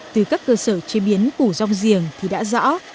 và các sở chế biến củ rong giềng thì đã rõ